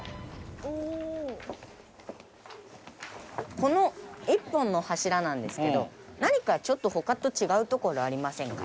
この１本の柱なんですけど何かちょっと他と違うところありませんか？